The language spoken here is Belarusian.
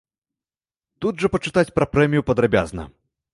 Тут жа пачытаць пра прэмію падрабязна.